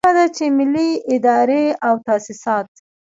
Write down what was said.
لازمه ده چې ملي ادارې او تاسیسات.